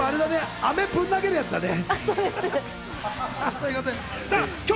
さては飴ぶん投げるやつだね。